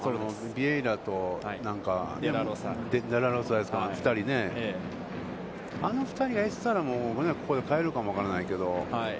ビエイラとデラロサですかね、あの２人がいてたら、ここで代えるかもわからないけど。